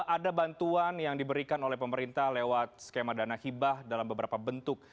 ada bantuan yang diberikan oleh pemerintah lewat skema dana hibah dalam beberapa bentuk